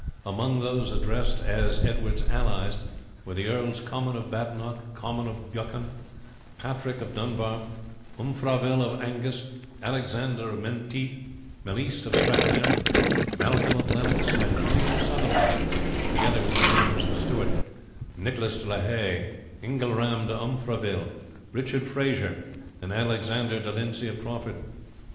Among those addressed as his allies were the Earls Comyn of Badenoch, Comyn of Buchan, Patrick of Dunbar, Umfraville of Angus, Alexander of Menteith, Malise of Strathearn, Malcolm of Lennox, and William of Sutherland, together with James the Steward, Nicholas de la Haye, Ingelram de Umfraville, Richard Fraser, and Alexander de Lindsay of Crawford.